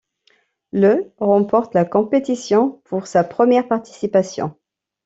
Le remporte la compétition pour sa première participation.